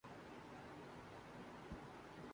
دورہ West Indies میں clean sweep کی کوشش کرینگے ثناء میر